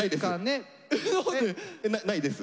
ないです。